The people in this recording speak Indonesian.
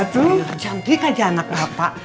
cantik aja anak bapak